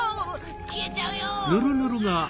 消えちゃうよ！